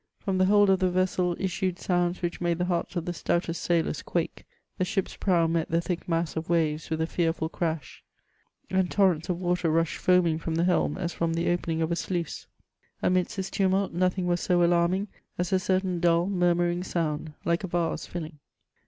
From the hold of the vessel issued sounds which made the hearts of the stoutest sailors quake. The ship's prow met the tliick mass of waves with a fearful crash, and torrents of water rushed foaming from the helm, as from die opening of a sluice. Amidst this L CHATEAUBRIAND. 307 toxaxih, nothing was so alarming as a certain dull, munnaring sound, like a yase filling.